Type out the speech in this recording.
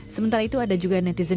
sementara itu ada juga netizen